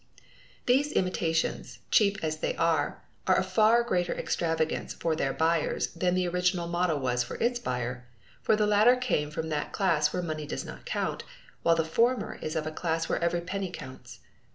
These imitations, cheap as they are, are a far greater extravagance, for their buyers, than the original model was for its buyer, for the latter came from that class where money does not count while the former is of a class where every penny counts.